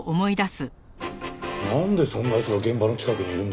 なんでそんな奴が現場の近くにいるんだ？